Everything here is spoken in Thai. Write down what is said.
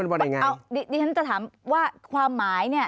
อ๋อเป็นบริการไงเอาดิฉันจะถามว่าความหมายเนี่ย